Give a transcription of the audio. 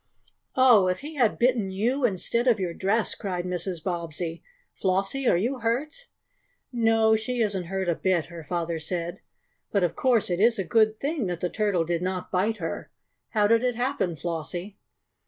"Oh, if he had bitten you instead of your dress!" cried Mrs. Bobbsey. "Flossie, are you hurt?" "No, she isn't hurt a bit," her father said. "But of course it is a good thing that the turtle did not bite her. How did it happen, Flossie?"